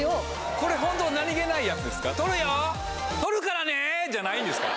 これホント。じゃないんですか？